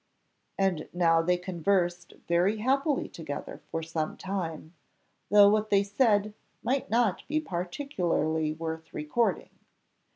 And now they conversed very happily together for some time; though what they said might not be particularly worth recording.